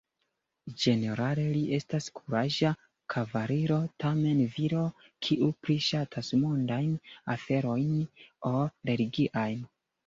Ĝenerale li estas kuraĝa kavaliro, tamen viro kiu pli ŝatas mondajn aferojn ol religiajn.